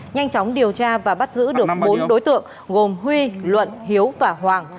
nhanh chóng điều tra và bắt giữ được bốn đối tượng gồm huy luận hiếu và hoàng